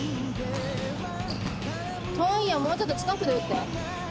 遠いよもうちょっと近くで打って。